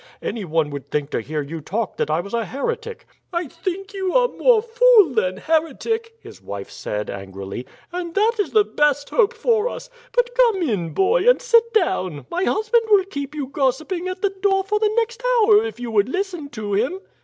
Anyone would think to hear you talk that I was a heretic." "I think you are more fool than heretic," his wife said angrily; "and that is the best hope for us. But come in, boy, and sit down; my husband will keep you gossiping at the door for the next hour if you would listen to him."